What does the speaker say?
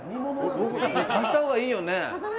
足したほうがいいよね。